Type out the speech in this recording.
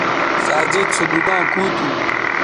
ساجد سو دُکاں کُو تھو